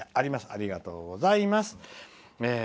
ありがとうございます。